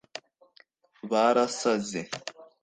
barasaze